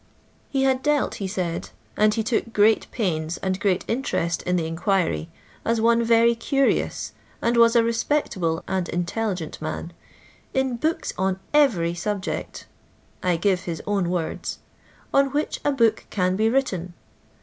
He had dealt, he said — and he took great pains and great interest in the inquiry, as one very curious, and was a respectable luad intelligent man — in "books on every snbject" [I give his own words] " on which a book can be written."